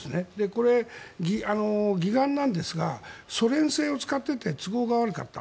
これ、義眼なんですがソ連製を使っていて都合が悪かった。